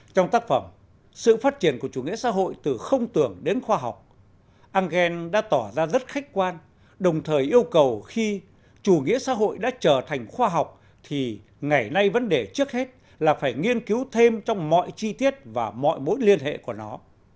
trong tác phẩm sự phát triển của chủ nghĩa xã hội từ không tưởng đến khoa học engel đã tỏ ra rất khách quan đồng thời yêu cầu khi chủ nghĩa xã hội đã trở thành khoa học thì ngày nay vấn đề trước hết là phải nghiên cứu thêm trong mọi chi tiết và mọi mối liên hệ của nó